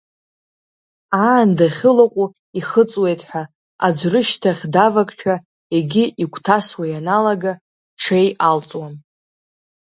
Аанда ахьылаҟәу ихыҵуеит ҳәа, аӡә рышьҭахь давакшәа, егьи игәҭасуа ианалага, ҽеи алҵуам…